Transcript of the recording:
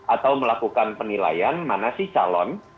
atau melakukan penilaian mana sih calon